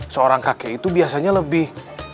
seorang kakek itu biasanya lebih